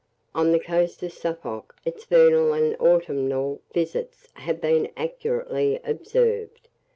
On the coast of Suffolk its vernal and autumnal visits have been accurately observed.